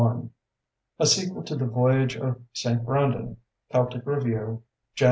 I, A Sequel to the Voyage of St. Brandan, Celtic Review, Jan.